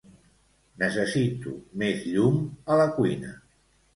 Necessito més llum a la cuina.